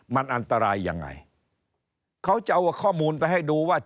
มันอันตรายยังไงเขาจะเอาข้อมูลไปให้ดูว่า